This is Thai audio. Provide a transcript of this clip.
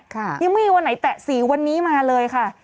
ยังไม่มีวันไหนแตะสีวันนี้มาเลยค่ะ